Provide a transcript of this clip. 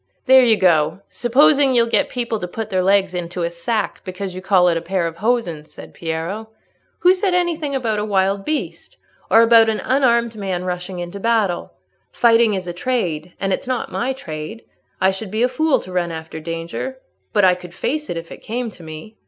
"There you go, supposing you'll get people to put their legs into a sack because you call it a pair of hosen," said Piero. "Who said anything about a wild beast, or about an unarmed man rushing on battle? Fighting is a trade, and it's not my trade. I should be a fool to run after danger, but I could face it if it came to me."